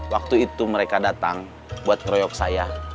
waktu itu mereka datang buat ngeroyok saya